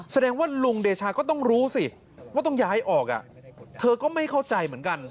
แสดงว่าลุงเดชาก็ต้องรู้สิว่าต้องย้ายออกเธอก็ไม่เข้าใจเหมือนกัน